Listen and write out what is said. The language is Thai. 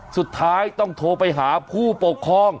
สุดท้ายต้องโทรไปหาผู้ปกครอง